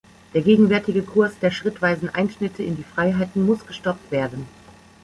Der gegenwärtige Kurs der schrittweisen Einschnitte in die Freiheiten muss gestoppt werden.